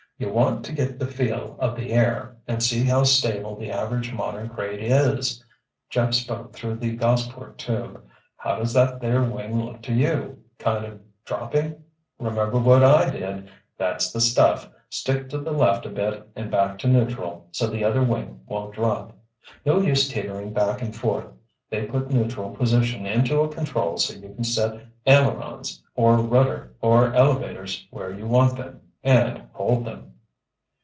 "You'll want to get the feel of the air, and see how stable the average modern crate is," Jeff spoke through the Gossport tube. "How does that there wing look to you—kind of dropping?—remember what I did—that's the stuff, stick to the left a bit and back to neutral, so the other wing won't drop! No use teetering back and forth. They put neutral position into a control so you can set ailerons or rudder or elevators where you want them and hold them."